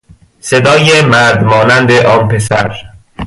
صدای مردمانند آن پسر